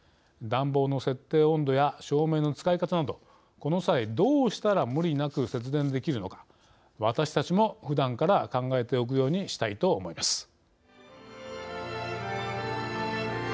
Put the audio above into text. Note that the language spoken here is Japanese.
暖房の設定温度や照明の使い方などこの際どうしたら無理なく節電できるのか私たちもふだんから考えておくようにしたいと思います。